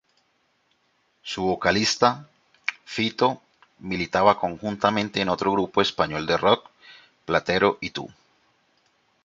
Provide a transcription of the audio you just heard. Su vocalista, Fito, militaba conjuntamente en otro grupo español de rock: Platero y Tú.